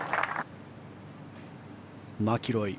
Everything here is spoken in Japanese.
マキロイ。